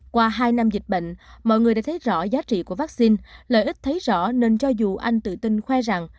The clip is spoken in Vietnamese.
qua hai năm dịch bệnh mọi người đã thấy rõ giá trị của vaccine lợi ích thấy rõ nên cho dù anh tự tin khoe rằng